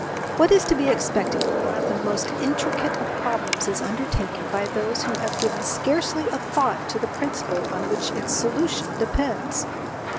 What is to be expected when one of the most intri cate of problems is undertaken by those who have given scarcely a thought to the principle on which its solution depends